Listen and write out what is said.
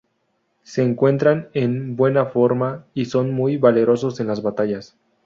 Se encuentran en buena forma y son muy valerosos en las batallas.